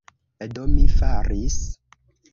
Do, mi faris.